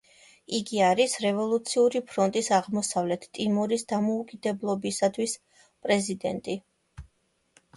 იგი არის „რევოლუციური ფრონტის აღმოსავლეთ ტიმორის დამოუკიდებლობისათვის“ პრეზიდენტი.